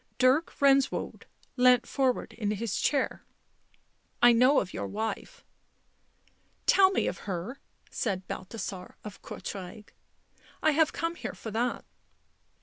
Dirk Benswoude leant forward in his chair. " I know of your wife." " Tell me of her," said Balthasar of Courtrai. " I have come here for that."